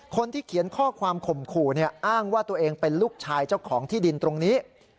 คนที่เขียนข้อความข่มขู่อ้างว่าตัวเองเป็นลูกชายเจ้าของที่ดินตรงนี้